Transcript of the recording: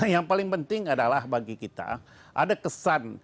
yang paling penting adalah bagi kita ada kesan